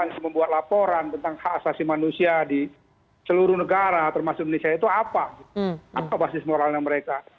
yang membuat laporan tentang hak asasi manusia di seluruh negara termasuk indonesia itu apa apa basis moralnya mereka